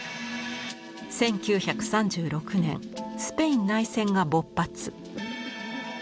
１９３６年スペイン内戦が勃発。